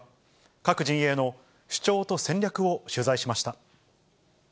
各陣営の主張と戦略を取材しました。